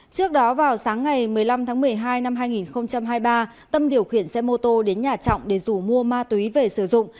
trước đó vào sáng ngày một mươi năm tháng một mươi hai năm hai nghìn hai mươi ba tâm điều khiển xe mô tô đến nhà trọng để rủ mua ma túy về sử dụng